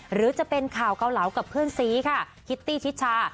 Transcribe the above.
หรือจะเป็นข่าวเกาเหลากับเพื่อนซีค่ะคิตตี้ชิดชา